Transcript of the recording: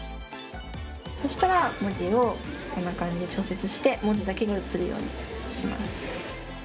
そしたら文字をこんな感じで調節して文字だけが映るようにします。